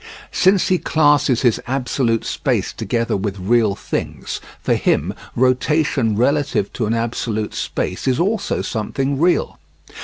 Since he classes his absolute space together with real things, for him rotation relative to an absolute space is also something real.